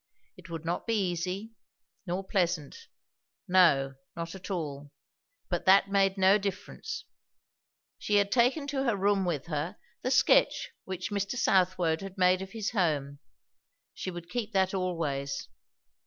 It would not be easy, nor pleasant. No, not at all; but that made no difference. She had taken to her room with her the sketch which Mr. Southwode had made of his home; she would keep that always.